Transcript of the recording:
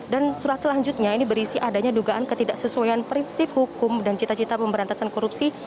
dan surat selanjutnya ini berisi adanya dugaan ketidaksesuaian prinsip hukum dan cita cita pemberantasan korupsi